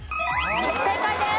正解です。